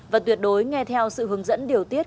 và tuyệt đối nghe theo sự hướng dẫn điều tiết